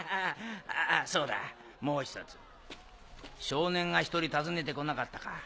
あぁそうだもう１つ少年が１人訪ねてこなかったか？